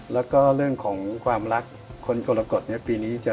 แล้วก็เรื่องของความรักคนกรกฎปีนี้จะ